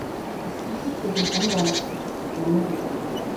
The species is an endemic species of Namibia.